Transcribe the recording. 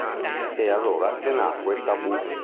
È allora che nacque "Taboo".